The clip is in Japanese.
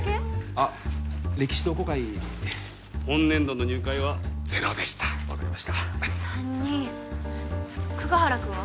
あっ歴史同好会本年度の入会はゼロでした分かりました３人久我原君は？